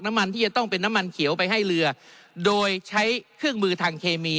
น้ำมันที่จะต้องเป็นน้ำมันเขียวไปให้เรือโดยใช้เครื่องมือทางเคมี